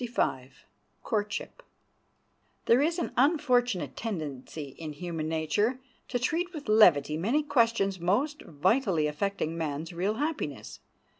] There is an unfortunate tendency in human nature to treat with levity many questions most vitally affecting man's real happiness.